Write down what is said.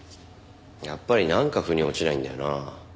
やっぱりなんか腑に落ちないんだよな。